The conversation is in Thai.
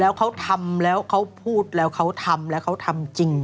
แล้วเขาทำแล้วเขาพูดแล้วเขาทำแล้วเขาทำจริง